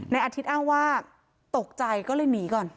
อาทิตย์อ้างว่าตกใจก็เลยหนีก่อน